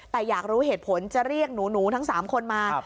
แต่อยากรู้เหตุผลจะเรียกหนูทั้ง๓คนมา